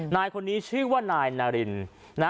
นายคนนี้ชื่อว่านายนาริน